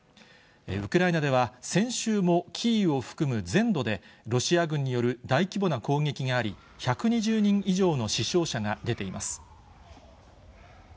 ウクライナでは、先週もキーウを含む全土でロシア軍による大規模な攻撃があり、１２０人以上の死傷者が出ています。